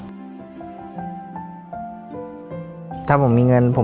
ปิดเท่าไหร่ก็ได้ลงท้ายด้วย๐เนาะ